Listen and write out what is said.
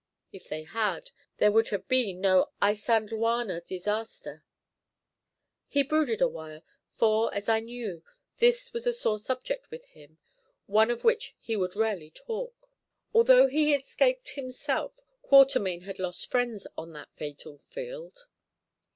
If they had, there would have been no Isandhlwana disaster." He brooded awhile, for, as I knew, this was a sore subject with him, one of which he would rarely talk. Although he escaped himself, Quatermain had lost friends on that fatal field.